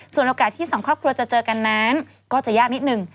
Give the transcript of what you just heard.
ส่วนโอกาสที่สองครอบครัวจะเจอกันนั้นก็จะยากนิดหนึ่ง